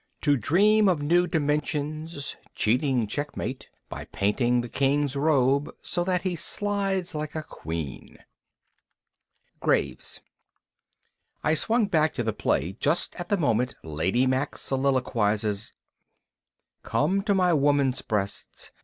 to dream of new dimensions, Cheating checkmate by painting the king's robe So that he slides like a queen; Graves I swung back to the play just at the moment Lady Mack soliloquizes, "Come to my woman's breasts.